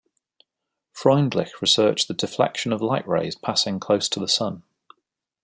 Freundlich researched the deflection of light rays passing close to the Sun.